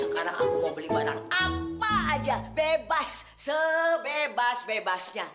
sekarang aku mau beli barang apa aja bebas sebebas bebasnya